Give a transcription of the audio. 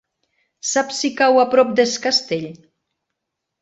Saps si cau a prop d'Es Castell?